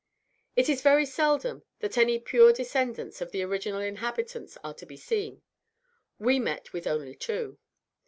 It is very seldom that any pure descendants of the original inhabitants are to be seen; we met with only two.